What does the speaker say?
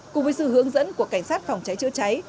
cùng với sự hướng dẫn của cảnh sát phòng cháy chữa cháy